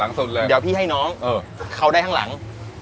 สุดเลยเดี๋ยวพี่ให้น้องเขาได้ข้างหลัง